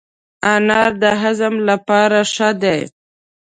انار د هضم لپاره ښه دی.